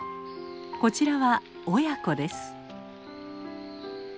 こちらは親子です。